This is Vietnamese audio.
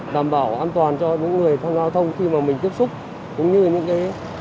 đảm bảo an toàn cho những người tham gia thông khi mà mình tiếp xúc cũng như những cái